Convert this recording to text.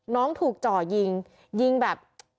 น้องถูกจ่อยิงยิงแบบ